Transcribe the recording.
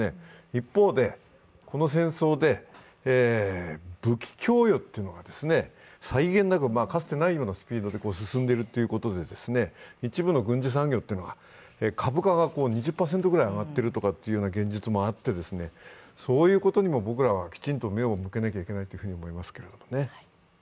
一方で、この戦争で武器供与というのが際限なくかつてないようなスピードで進んでいるということで、一部の軍需産業は株価が２０％ぐらい上がっているという現実もあって、そういうことにも僕らはきちんと目を向けなければいけないと思います。